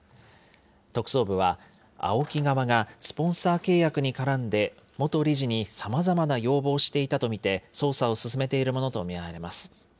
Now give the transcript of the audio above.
特捜部は、ＡＯＫＩ側がスポンサー契約に絡んで元理事に、さまざまな要望をしていたと見て、捜査を進めているものと見られます。